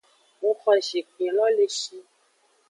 Ng xo zinkpin lo le shi.